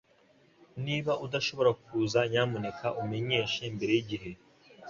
Niba udashobora kuza nyamuneka umenyeshe mbere yigihe